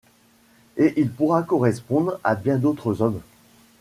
Et il pourra correspondre à bien d'autres hommes.